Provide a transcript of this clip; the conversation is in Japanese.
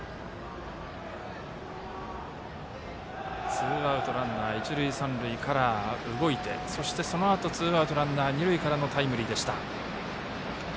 ツーアウトランナー、一塁三塁から動いてそしてそのあとツーアウトランナー、二塁からのタイムリー。